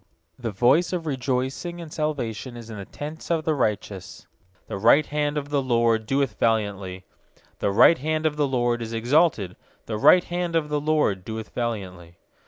15The voice of rejoicing and salvation is in the tents of the righteous; The right hand of the LORD doeth valiantly. 16The right hand of the LORD is exalted; The right hand of the LORD doeth valiantly.